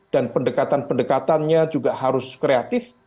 dan pendekatan pendekatannya juga harus kreatif